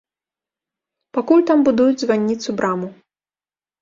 Пакуль там будуюць званніцу-браму.